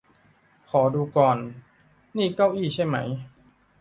ขอดูก่อน นี่เก้าอี้ใช่มั้ย